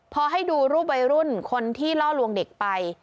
พอให้ดูรูปวัยรุ่นคนที่ล่อลวงเด็กไป